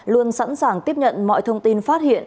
luôn sẵn sàng tiếp nhận mọi thông tin phát hiện